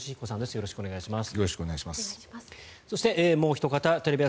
よろしくお願いします。